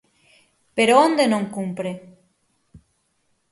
¿Pero onde non cumpre?